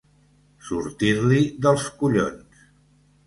Sortir-li dels collons.